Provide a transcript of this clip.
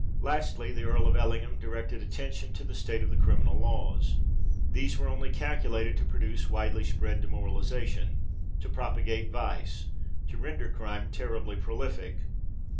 Lastly, the Earl of Ellingham directed attention to the state of the criminal laws. These were only calculated to produce widely spread demoralization—to propagate vice—to render crime terribly prolific.